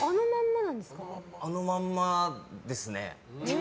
あのまんまですね。